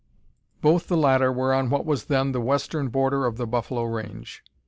Both the latter were on what was then the western border of the buffalo range.